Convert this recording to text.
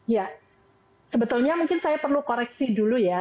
ya sebetulnya mungkin saya perlu koreksi dulu ya